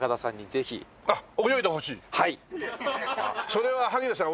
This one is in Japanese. それは萩野さん